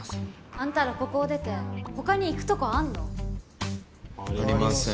あんたらここを出て他に行くとこあんの？ありません。